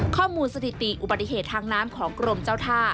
สถิติอุบัติเหตุทางน้ำของกรมเจ้าท่า